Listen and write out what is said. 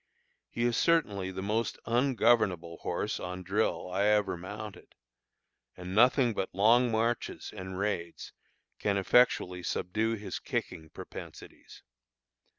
He is certainly the most ungovernable horse on drill I ever mounted; and nothing but long marches and raids can effectually subdue his kicking propensities.